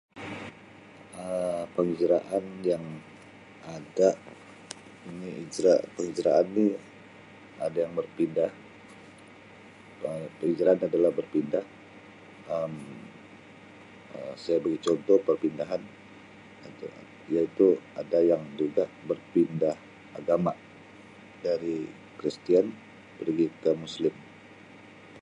Um Penghijraan yang ada ini hijrah penghijraan ni ada yang berpindah Um penghijraan adalah berpindah Um saya beri contoh perpindahan [unintelligible] iaitu ada yang juga berpindah agama dari Kristian pergi ke Muslim.